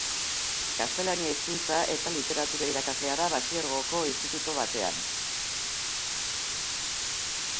Gaztelania Hizkuntza eta Literatura irakaslea da batxilergoko institutu batean.